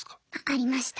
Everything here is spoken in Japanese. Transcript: ありました。